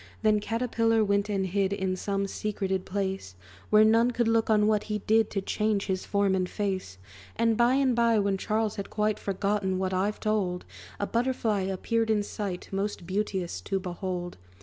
Then Caterpillar went and hid In some secreted place, Where none could look on what he did To change his form and face. And by and by, when Charles had quite Forgotten what I've told, A Butterfly appeared in sight, Most beauteous to behold.